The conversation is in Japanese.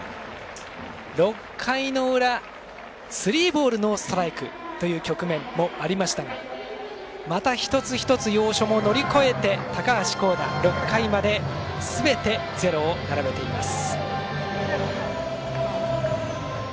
６回の裏、スリーボールノーストライクという局面もありましたがまた、一つ一つ要所も乗り越えて高橋光成、６回まですべてゼロを並べています。